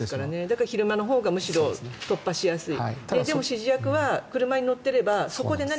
だから昼間のほうが突破しやすい。